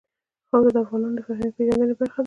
خاوره د افغانانو د فرهنګي پیژندنې برخه ده.